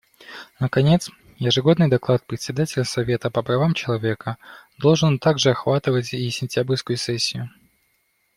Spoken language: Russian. Наконец, ежегодный доклад Председателя Совета по правам человека должен также охватывать и сентябрьскую сессию.